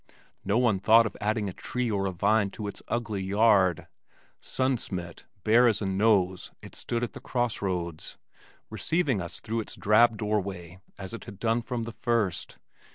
No one thought of adding a tree or a vine to its ugly yard. Sun smit, bare as a nose it stood at the cross roads, receiving us through its drab door way as it had done from the first.